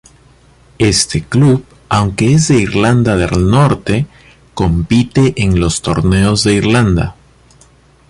Este club aunque es de Irlanda del Norte compite en los torneos de Irlanda.